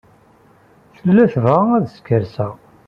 Tella tebɣa ad skerkseɣ.